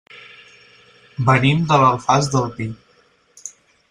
Venim de l'Alfàs del Pi.